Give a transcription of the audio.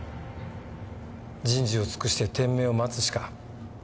人事を尽くして天命を待つしか。